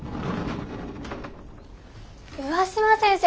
上嶋先生